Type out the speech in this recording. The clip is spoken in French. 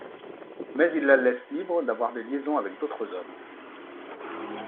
Mais il la laisse libre d'avoir des liaisons avec d'autres hommes.